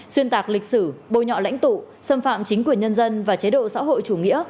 xuyên tạc lịch sử bôi nhọ lãnh tụ xâm phạm chính quyền nhân dân và chế độ xã hội chủ nghĩa